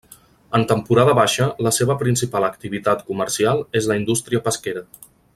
En temporada baixa, la seva principal activitat comercial és la indústria pesquera.